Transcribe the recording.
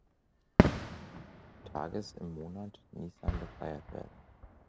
Tages im Monat Nisan gefeiert werden.